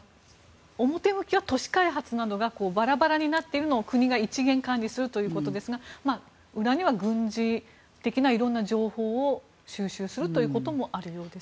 表向きは、都市開発などがバラバラになっているのを国が一元管理するということですが裏には軍事的な色んな情報を収集するということもあるようです。